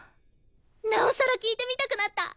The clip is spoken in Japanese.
なおさら聴いてみたくなった！